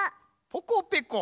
ポコペコ。